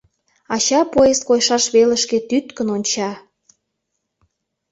Ача поезд койшаш велышке тӱткын онча.